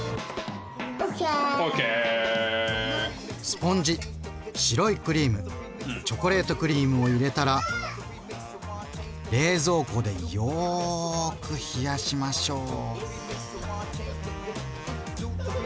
スポンジ白いクリームチョコレートクリームを入れたら冷蔵庫でよく冷やしましょう。